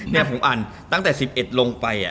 นี่ผมอ่านตั้งแต่๑๑ลงไป